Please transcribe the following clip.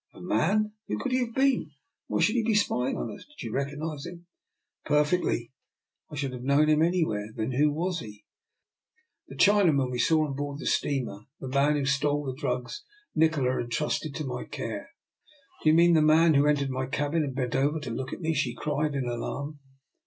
'' A man? Who could he have been, and why should he be spying upon us? Did you recognise him? "" Perfectly; I should have known him anywhere." " Then who was he? " 224 I^R NIKOLA'S EXPERIMENT. " The Chinaman we saw on board the steamer. The man who stole the drugs Nikola entrusted to my care." Do you mean the man who entered my cabin and bent over to look at me? " she cried in alarm.